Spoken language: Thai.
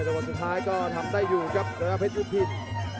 แล้วสุดท้ายก็ทำได้อยู่ครับเกือบเพชรยุพิธธิ์